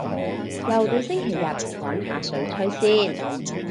又到星期日，搵下水吹先